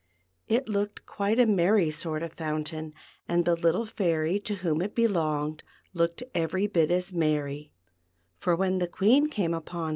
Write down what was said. It looked quite a merry sort of fountain, and the little Fairy to whom it be longed looked every bit as merry ; for when the Queen cafr,e upcn.